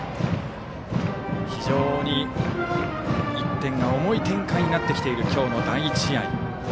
非常に、１点が重い展開になってきている今日の第１試合。